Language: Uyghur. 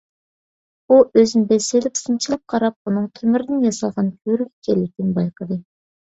ئۇ ئۆزىنى بېسىۋېلىپ، سىنچىلاپ قاراپ، ئۇنىڭ تۆمۈردىن ياسالغان كۆۋرۈك ئىكەنلىكىنى بايقىدى.